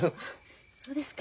そうですか。